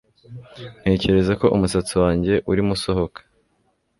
Ntekereza ko umusatsi wanjye urimo usohoka